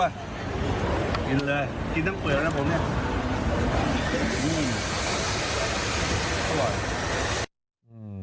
กินเลยกินทั้งเปลือกนะผม